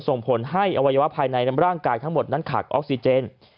ส่งผลให้อวัยวะภายในร่างกายทั้งหมดนั้นขาดออกซิเจน